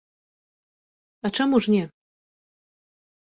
А чаму ж не.